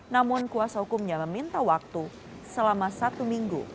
namun kuasa hukumnya meminta waktu selama satu minggu